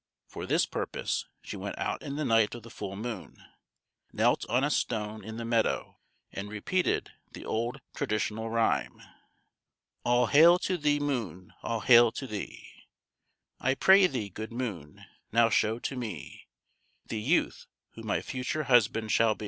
For this purpose she went out in the night of the full moon, knelt on a stone in the meadow, and repeated the old traditional rhyme: "All hail to thee, moon, all hail to thee: I pray thee, good moon, now show to me The youth who my future husband shall be."